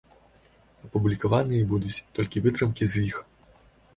Апублікаваныя будуць толькі вытрымкі з іх.